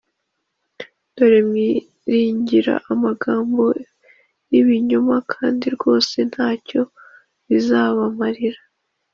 Dore mwiringira amagambo y ibinyoma kandi rwose nta cyo bizabamarira